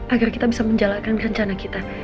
agar kita bisa menjalankan rencana kita